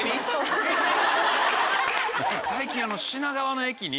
最近。